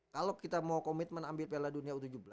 kalau kita mau komitmen ambil piala dunia u tujuh belas